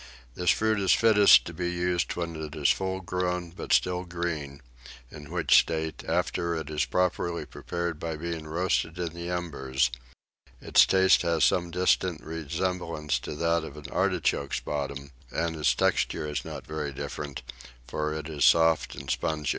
This fruit is fittest to be used when it is full grown but still green; in which state, after it is properly prepared by being roasted in the embers, its taste has some distant resemblance to that of an artichoke's bottom, and its texture is not very different, for it is soft and spongy.